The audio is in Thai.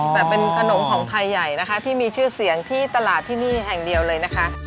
แต่เป็นขนมของไทยใหญ่นะคะที่มีชื่อเสียงที่ตลาดที่นี่แห่งเดียวเลยนะคะ